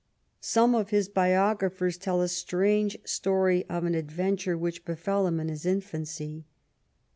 Some of his biographers tell a strange story of an adventure which befell him in his infancy.